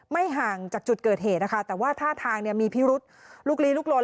ห่างจากจุดเกิดเหตุนะคะแต่ว่าท่าทางเนี่ยมีพิรุษลุกลีลุกลน